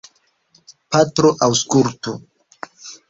Patro, aŭskultu!